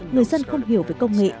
người dân không hiểu về công nghệ